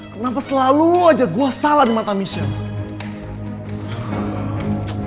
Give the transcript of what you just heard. kenapa selalu aja gue salah di mata michelle